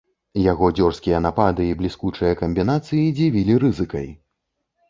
Яго дзёрзкія напады і бліскучыя камбінацыі дзівілі рызыкай.